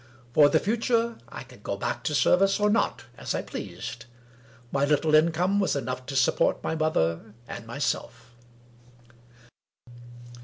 For the future, I could go back to service or not, as I pleased; my little income was enough to support my mother and my self.